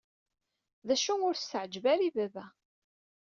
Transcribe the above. D acu, ur s-tɛeǧǧeb ara i baba.